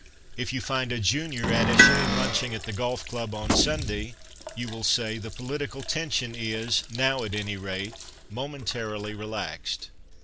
If you find a junior Attache lunching at the golf club on Sunday, you will say " the poli tical tension is now at any rate momentarily relaxed."